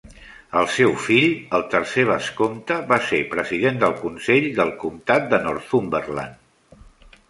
El seu fill, el tercer vescomte, va ser President del Consell del Comtat de Northumberland.